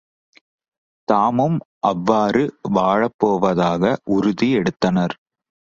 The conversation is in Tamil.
தாமும் அவ்வாறு வாழப் போவதாக உறுதி எடுத்தனர்.